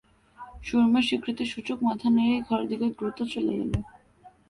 সুরমা স্বীকৃতিসূচক মাথা নেড়েই ঘরের দিকে দ্রুত চলে গেল।